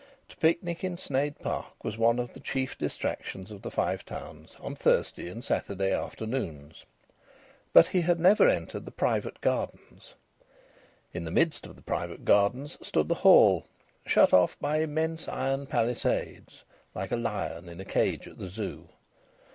To picnic in Sneyd Park was one of the chief distractions of the Five Towns on Thursday and Saturday afternoons. But he had never entered the private gardens. In the midst of the private gardens stood the Hall, shut off by immense iron palisades, like a lion in a cage at the Zoo.